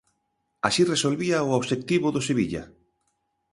Así resolvía o obxectivo do Sevilla.